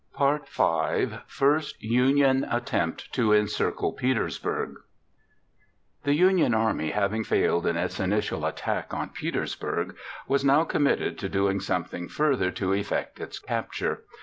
FIRST UNION ATTEMPT TO ENCIRCLE PETERSBURG The Union Army, having failed in its initial attack on Petersburg, was now committed to doing something further to effect its capture.